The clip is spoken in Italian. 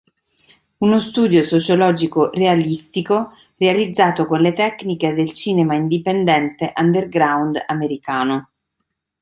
Uno studio sociologico realistico realizzato con le tecniche del cinema indipendente underground americano.